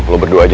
lo berdua aja